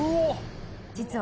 実は。